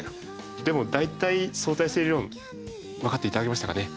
でも大体相対性理論わかって頂けましたかね？